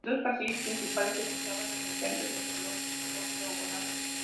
Dos pasillos principales se cruzaban en el centro, en un salón octogonal.